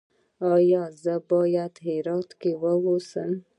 ایا زه باید په هرات کې اوسم؟